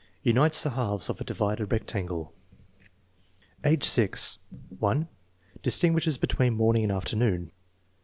Unites the halves of a divided rectangle. Age 6: 1. Distinguishes between morning and afternoon.